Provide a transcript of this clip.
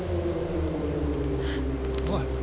おい